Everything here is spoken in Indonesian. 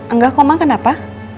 enggak kok ma kenapa